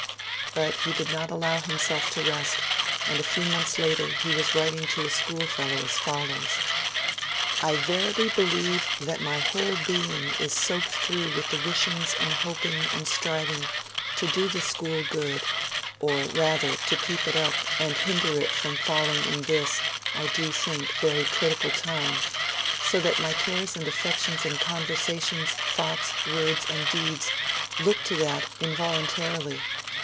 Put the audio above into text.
But he did not allow himself to rest, and a few months later he was writing to a schoolfellow as follows: 'I verily believe my whole being is soaked through with the wishing and hoping and striving to do the school good, or rather to keep it up and hinder it from falling in this, I do think, very critical time, so that my cares and affections and conversations, thoughts, words, and deeds look to that in voluntarily.